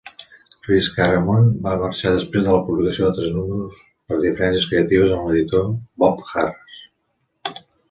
Chris Claremont va marxar després de la publicació de tres números per diferències creatives amb l'editor Bob Harras.